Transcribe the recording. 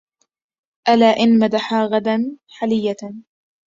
ألا إن مدحا غدا حلية